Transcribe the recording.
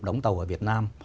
đóng tàu ở việt nam